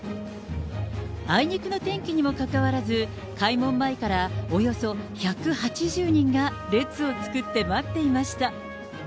あいにくの天気にもかかわらず、開門前からおよそ１８０人が列を作って待っていました。